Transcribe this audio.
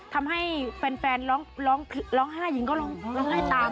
ทำให้แฟนร้องไห้หญิงก็ร้องไห้ตาม